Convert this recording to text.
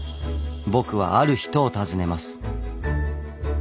僕はある人を訪ねます。